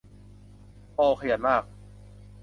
โอว ขยันมาก